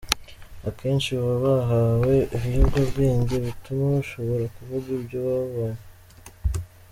Akenshi baba bahawe ibiyobyabwenge bituma bashobora kuvuga ibyo babonye.